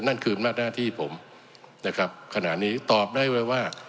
นั่นคืออำนาจหน้าที่ผมนะครับขณะนี้ตอบได้ไว้ว่า